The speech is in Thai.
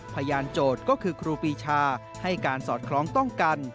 พยานโจทย์ก็คือครูปีชาให้การสอดคล้องต้องกัน